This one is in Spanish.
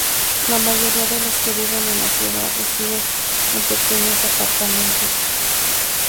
La mayoría de los que viven en la ciudad, residen en pequeños apartamentos.